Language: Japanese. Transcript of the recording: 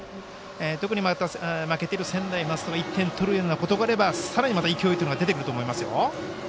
特に、負けている専大松戸が１点取るようなことがあればさらにまた勢いが出てくると思いますよ。